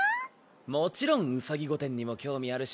もちろん兎御殿にも興味あるし